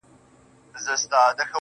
قربان د عِشق تر لمبو سم، باید ومي سوځي.